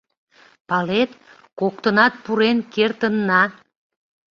Палет, коктынат пурен кертынна.